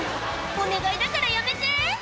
お願いだからやめて！